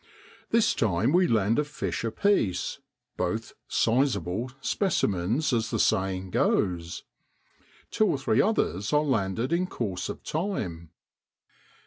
This time we land a fish apiece, both ' sizeable ' specimens, as the saying goes. Two or three others are landed in course of time.